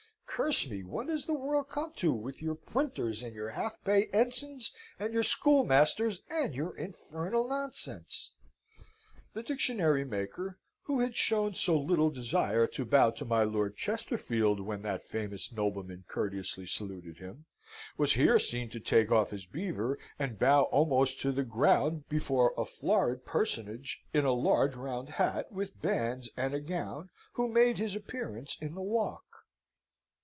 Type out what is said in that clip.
"Curse me, what is the world come to, with your printers, and your half pay ensigns, and your schoolmasters, and your infernal nonsense?" The Dictionary maker, who had shown so little desire to bow to my Lord Chesterfield, when that famous nobleman courteously saluted him, was here seen to take off his beaver, and bow almost to the ground, before a florid personage in a large round hat, with bands and a gown, who made his appearance in the Walk.